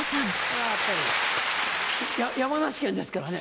山梨県ですからね。